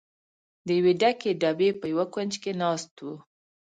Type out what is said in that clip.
د یوې ډکې ډبې په یوه کونج کې ناست و.